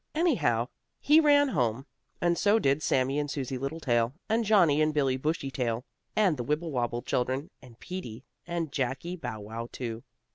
Anyhow he ran home, and so did Sammie and Susie Littletail, and Johnnie and Billie Bushytail, and the Wibblewobble children, and Peetie and Jackie Bow Wow too.